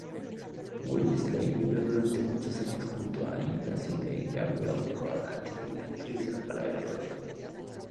Wellesley vivió durante muchos años junto a Hyacinthe-Gabrielle Roland, una actriz del Palais Royal.